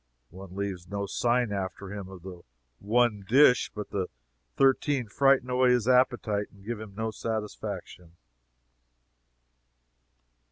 One leaves no sign after him of the one dish, but the thirteen frighten away his appetite and give him no satisfaction.